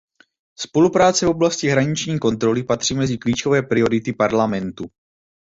Spolupráce v oblasti hraniční kontroly patří mezi klíčové priority Parlamentu.